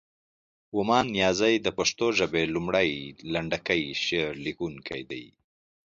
ومان نیازی د پښتو ژبې لومړی، لنډکی شعر لیکونکی دی.